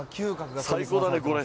最高だね、これ。